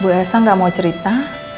bu elsa gak mau cerita